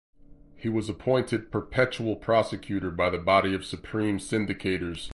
He was appointed perpetual prosecutor by the body of supreme syndicators.